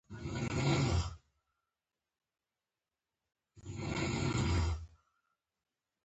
ایا الله ستاسو سره دی؟